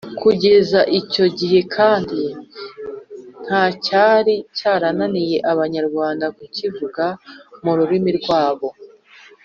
kugeza icyo gihe kandi, ntacyari cyarananiye abanyarwanda kukivuga mu rurimi rwabo.